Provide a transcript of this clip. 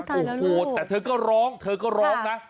โอ้โหแต่เธอก็ร้องเธอก็ร้องนะ